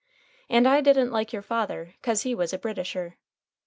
And I didn't like your father 'cause he was a Britisher.